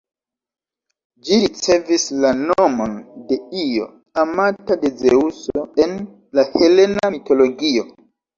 Ĝi ricevis la nomon de Io, amata de Zeŭso en la helena mitologio.